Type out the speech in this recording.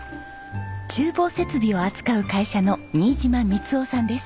厨房設備を扱う会社の新嶋光男さんです。